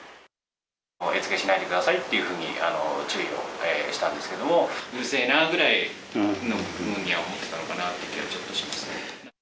餌付けしないでくださいっていうふうに、注意をしたんですけども、うるせーなくらいに思ってたのかなって気はちょっとしますね。